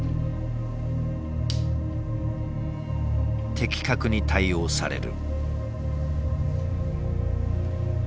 的確に対応される。